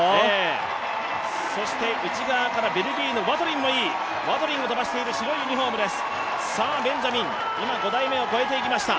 そして内側からベルギーのワトリンもいい、ワトリンが飛ばしている白いユニフォームです。